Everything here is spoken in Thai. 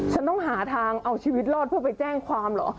ฉันต้องหาทางเอาชีวิตรอดเพื่อไปแจ้งความเหรอ